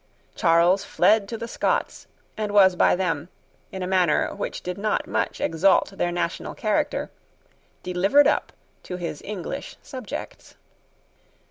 Charles fled to the Scots, and was by them, in a manner which did not much exalt their national character, delivered up to his English subjects.